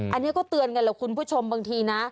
อันนี้ก็เตือนกันแหละคุณผู้ชมบางทีนะ